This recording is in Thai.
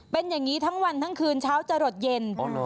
เป็นอย่างนี้ทั้งวันทั้งคืนเช้าจะหลดเย็น